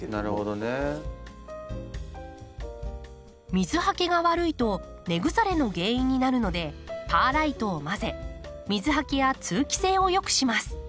水はけが悪いと根腐れの原因になるのでパーライトを混ぜ水はけや通気性を良くします。